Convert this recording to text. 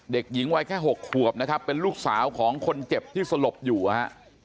เด็กหญิงวัยแค่๖ขวบนะครับเป็นลูกสาวของคนเจ็บที่สลบอยู่นะฮะ